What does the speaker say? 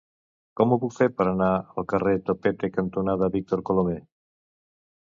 Com ho puc fer per anar al carrer Topete cantonada Víctor Colomer?